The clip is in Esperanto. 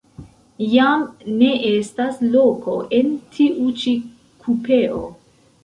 Jam ne estas loko en tiu ĉi kupeo.